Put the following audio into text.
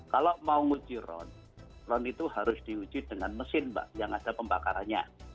kalau mau uji ron ron itu harus diuji dengan mesin mbak yang ada pembakarannya